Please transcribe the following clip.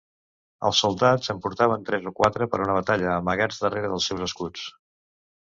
Els soldats en portaven tres o quatre per una batalla, amagats darrere dels seus escuts.